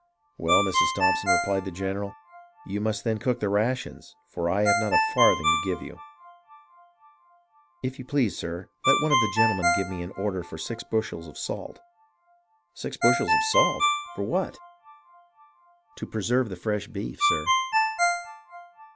"Well, Mrs. Thompson," replied the general, "you must then cook the rations, for I have not a farthing to give you." " If you please, sir, let one of the gentlemen give me an order for six bushels of salt." " Six bushels of salt ! For what }" THE REVOLT OF THE SOLDIERS 305 " To preserve the fresh beef, sir."